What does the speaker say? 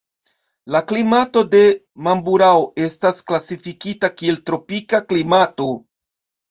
La klimato de Mamburao estas klasifikita kiel tropika klimato.